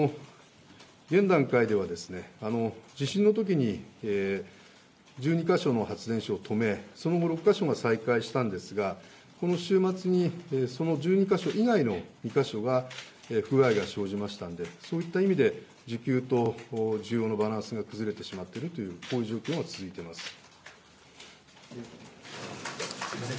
現段階では地震のときに１２か所の発電所を止め、その後６か所を再開したんですがこの週末にその１２か所以外の不具合が生じましたので、そういう意味で需給と需要のバランスが崩れてしまっている状況が続いています。